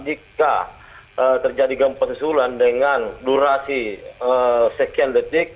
jika terjadi gempa susulan dengan durasi sekian detik